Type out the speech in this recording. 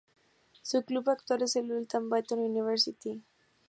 Su club actual es el Ulan Bator University.